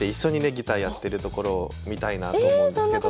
ギターやってるところを見たいなと思うんですけど。